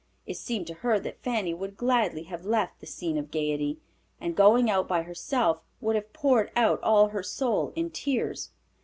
It seemed to her that Fanny would gladly have left the scene of gayety, and going out by herself, would have poured out all her soul in tears.